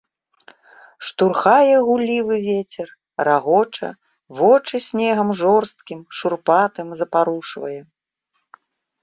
Штурхае гуллівы вецер, рагоча, вочы снегам жорсткім, шурпатым запарушвае.